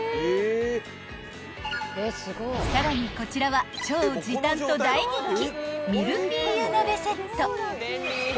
［さらにこちらは超時短と大人気］